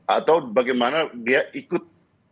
atau bagaimana dia ikut